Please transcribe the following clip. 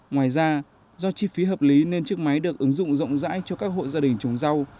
ngoài ra do chi phí hợp lý nên chiếc máy được ứng dụng rộng rãi cho các hộ gia đình trồng rau